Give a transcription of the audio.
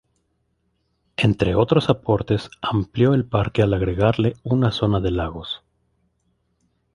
Entre otros aportes amplió el parque al agregarle una zona de lagos.